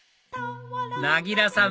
なぎらさん